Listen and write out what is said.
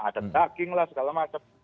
ada daging lah segala macam